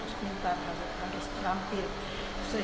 harus pintar harus rampir